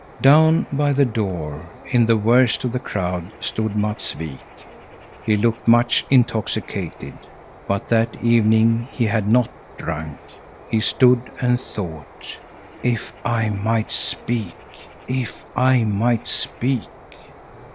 Down by the door, in the worst of the crowd, stood Matts Wik. He looked much intoxicated, but that evening he had not drunk. He stood and thought. "If I might speak, if I might speak!"